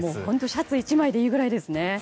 シャツ１枚でいいくらいですね。